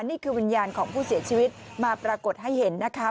นี่คือวิญญาณของผู้เสียชีวิตมาปรากฏให้เห็นนะคะ